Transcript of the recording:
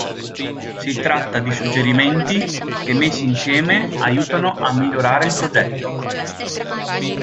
Si tratta di suggerimenti che messi insieme aiutano a migliorare il progetto.